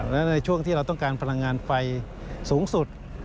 และในช่วงที่เราต้องการพลังงานไฟสูงสุด